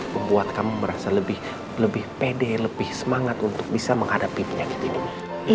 membuat kamu merasa lebih pede lebih semangat untuk bisa menghadapi penyakit ini